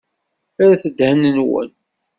Rret ddhen-nwen!